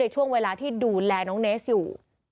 ช่วงเวลาที่ดูแลน้องเนสอยู่